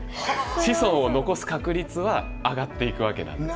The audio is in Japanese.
子孫を残す確率は上がっていくわけなんですね。